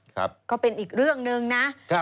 ก็เป็นอีกเรื่องหนึ่งนะ